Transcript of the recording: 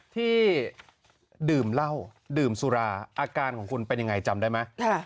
ที่ดื่มเล่าดื่มสุราจำได้มะ